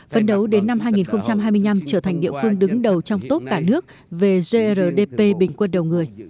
phấn đấu đến năm hai nghìn hai mươi năm trở thành địa phương đứng đầu trong tốt cả nước về grdp bình quân đầu người